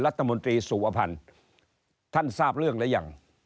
รัฐมนตรีสุวพันธ์ท่านทราบเรื่องหรือยัง